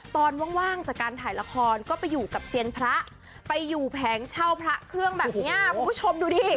ว่างจากการถ่ายละครก็ไปอยู่กับเซียนพระไปอยู่แผงเช่าพระเครื่องแบบนี้คุณผู้ชมดูดิ